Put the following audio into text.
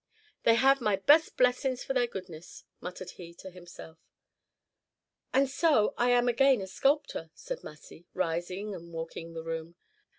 "They have my best blessin' for their goodness," muttered he to himself. "And so I am again a sculptor!" said Massy, rising and walking the room.